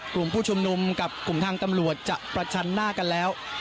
กลุ่มผู้ชุมนุมกับกลุ่มทางตำรวจจะประชันหน้ากันแล้ว